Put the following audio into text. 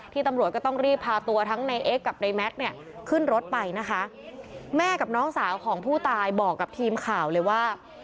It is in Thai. ตำรวจก็ต้องรีบพาตัวทั้งในเอ็กซกับในแม็กซ์เนี่ยขึ้นรถไปนะคะแม่กับน้องสาวของผู้ตายบอกกับทีมข่าวเลยว่า